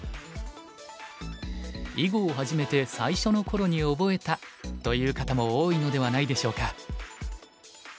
囲碁を始めて最初の頃に覚えたという方も多いのではないでしょうか。